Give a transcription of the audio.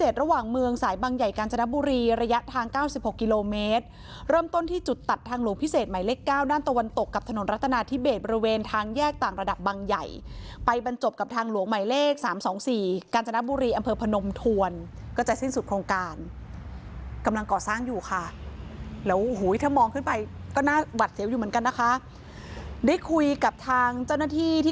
ได้คุยกับทางเจ้าหน้าที่